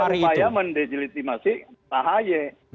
ini karena ada upaya mendeligitimasi pak ahy